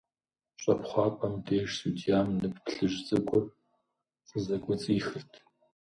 ЩӀэпхъуапӀэм деж судьям нып плъыжь цӀыкӀур щызэкӀуэцӀихырт.